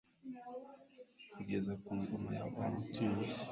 Kugeza ku ngoma ya Valentine